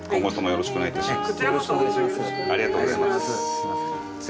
よろしくお願いします。